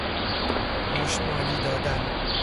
مشتمالی دادن